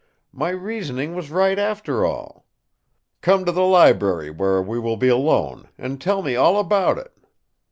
"My reasoning was right after all. Come to the library, where we will be alone, and tell me all about it!